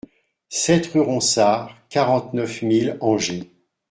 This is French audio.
sept rUE RONSARD, quarante-neuf mille Angers